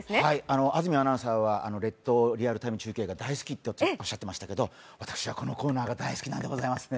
安住アナウンサーは「列島リアルタイム中継」が大好きと言っていましたけど、私はこのコーナーが大好きなんでございますね。